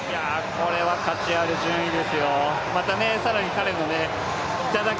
これは価値ある順位ですよ。